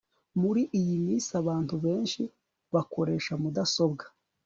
muri iyi minsi abantu benshi bakoresha mudasobwa